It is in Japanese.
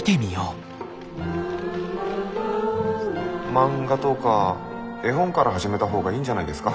漫画とか絵本から始めた方がいいんじゃないですか？